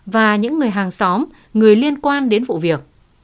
và những người hàng xóm người liên quan đến vụ việc